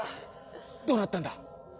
どうなったんだ？